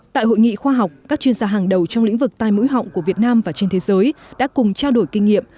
tại hội nghị khoa học các chuyên gia hàng đầu trong lĩnh vực tai mũi họng của việt nam và trên thế giới đã cùng trao đổi kinh nghiệm